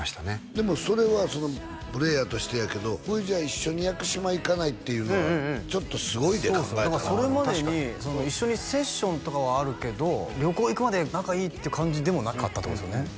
でもそれはプレーヤーとしてやけどほいじゃあ一緒に屋久島行かない？っていうのはちょっとすごいで考えたらそれまでに一緒にセッションとかはあるけど旅行行くまで仲いいって感じでもなかったってことですよね